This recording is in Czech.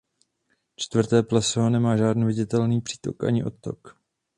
Čtvrté pleso nemá žádný viditelný přítok ani odtok.